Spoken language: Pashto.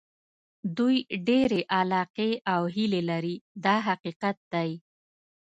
دوی ډېرې علاقې او هیلې لري دا حقیقت دی.